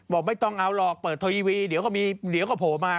บอกไม่ต้องเอาหรอกเปิดทีวีเดี๋ยวก็โผล่มา